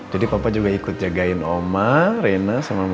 jadi papa juga ikut jagain omah rena sama mama